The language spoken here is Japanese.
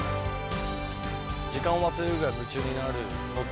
時間を忘れるぐらい夢中になるのと